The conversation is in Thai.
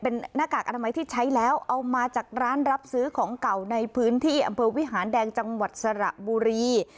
เป็นหน้ากากอนามัยที่ใช้แล้วเอามาจากร้านรับซื้อของเก่าในพื้นที่อำเภอวิหารแดงจังหวัดสระบุรี